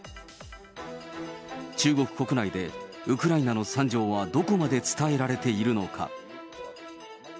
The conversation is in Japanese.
中国国内で、ウクライナの惨状はどこまで伝えられているのか。